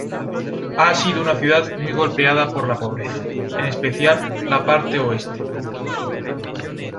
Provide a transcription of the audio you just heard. Ha sido una ciudad muy golpeada por la pobreza, en especial la parte oeste.